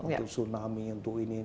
untuk tsunami untuk ini